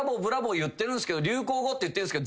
言ってるんすけど流行語って言ってるんすけど。